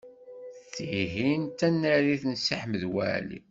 Tihin d tanarit n Si Ḥmed Waɛli.